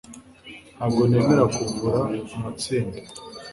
Ntabwo nemera kuvura amatsinda